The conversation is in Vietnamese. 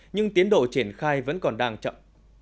nhưng tiến độ triển khai vẫn còn đang chậm